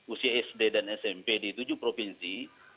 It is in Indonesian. usia sd dan smp di tujuh provinsi